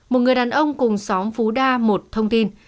một người đàn ông cùng xóm phú đa một thông tin